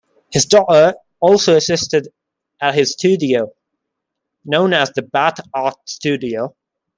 His daughter also assisted at his studio, known as the Bath Art Studio.